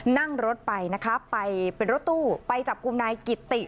นั่งรถไปนะคะไปเป็นรถตู้ไปจับกลุ่มนายกิตติ